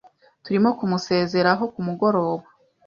Turimo kumusezeraho kumugoroba.